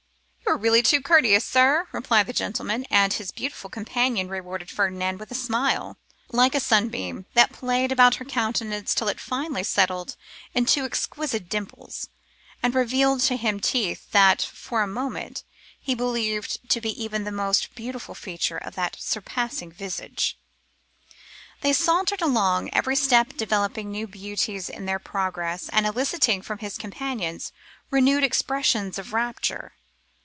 'You are really too courteous, sir,' replied the gentleman; and his beautiful companion rewarded Ferdinand with a smile like a sunbeam, that played about her countenance till it finally settled into two exquisite dimples, and revealed to him teeth that, for a moment, he believed to be even the most beautiful feature of that surpassing visage. They sauntered along, every step developing new beauties in their progress and eliciting from his companions renewed expressions of rapture.